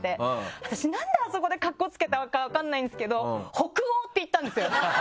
私なんであそこでカッコつけたのか分かんないんですけど「北欧」って言ったんですよ。